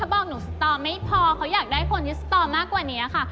ถ้าบอกหนูสตอบไม่พอเขาอยากได้คนที่สตอบมากกว่านี้อ่ะค่ะ